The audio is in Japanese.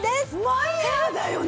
マイヤーだよね？